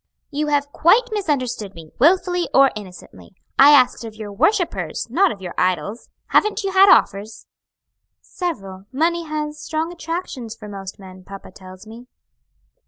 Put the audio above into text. "You have quite misunderstood me, wilfully or innocently I asked of your worshippers, not of your idols. Haven't you had offers?" "Several; money has strong attractions for most men, papa tells me."